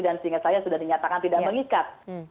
dan sehingga saya sudah dinyatakan tidak mengikat